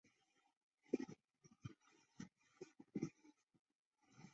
修私摩古印度摩揭陀国的王子。